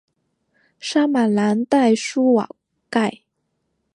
沙马朗代舒瓦盖。